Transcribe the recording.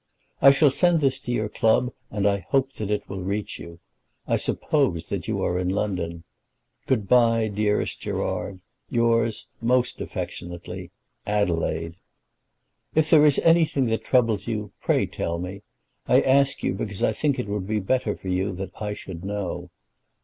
I shall send this to your club, and I hope that it will reach you. I suppose that you are in London. Good bye, dearest Gerard. Yours most affectionately, ADELAIDE. If there is anything that troubles you, pray tell me. I ask you because I think it would be better for you that I should know.